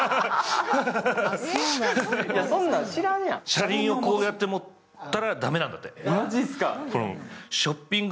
車輪をこうやって持ったら駄目なんですって。